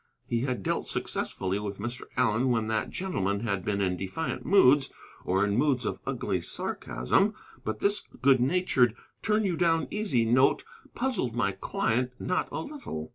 He had dealt successfully with Mr. Allen when that gentleman had been in defiant moods, or in moods of ugly sarcasm. But this good natured, turn you down easy note puzzled my client not a little.